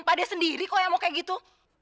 takde sendiri kok yang mau kayak gitu